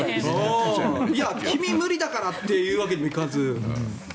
いや、君、無理だからっていうわけにもいかず。